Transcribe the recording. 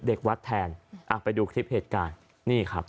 เด็กวัดแทนอ่ะไปดูคลิปเหตุการณ์นี่ครับ